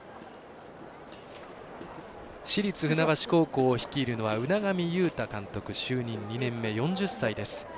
市立船橋高校を率いるのは海上雄大監督就任２年目、４０歳です。